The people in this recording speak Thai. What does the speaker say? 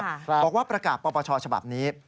บอกว่าประกาศปปชฉบับนี้